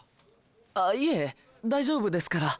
あいえ大丈夫ですから。